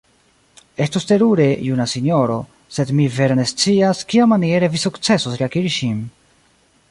Estus terure, juna sinjoro, sed mi vere ne scias, kiamaniere vi sukcesos reakiri ŝin.